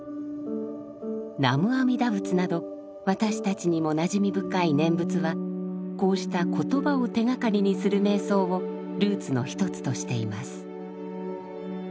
「南無阿弥陀仏」など私たちにもなじみ深い念仏はこうした言葉を手がかりにする瞑想をルーツの一つとしています。